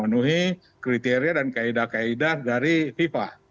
memang ya harus memenuhi kriteria dan kaedah kaedah dari viva